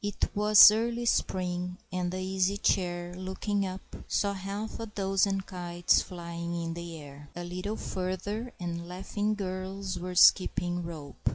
It was early spring, and the Easy Chair, looking up, saw half a dozen kites flying in the air. A little further, and laughing girls were skipping rope.